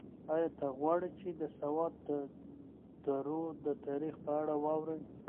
ایا ته غواړې چې د سوات د درو د تاریخ په اړه واورې؟